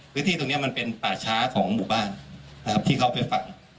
พื้นที่ตรงนี้มันเป็นป่าช้าของหมู่บ้านนะครับที่เขาไปฝั่ง